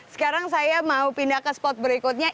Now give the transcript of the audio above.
sekarang saya mau pindah ke spot berikutnya